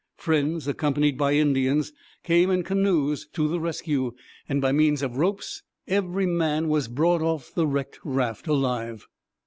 Friends, accompanied by Indians, came in canoes to the rescue, and, by means of ropes, every man was brought off the wrecked raft alive.